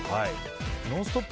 「ノンストップ！」